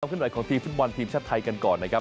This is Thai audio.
ความเคลื่อนไหวของทีมฟุตบอลทีมชาติไทยกันก่อนนะครับ